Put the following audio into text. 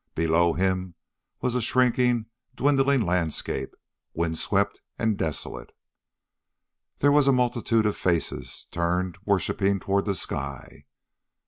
Below him was a shrinking, dwindling landscape, wind swept and desolate. There was a multitude of faces, turned worshipping toward the sky.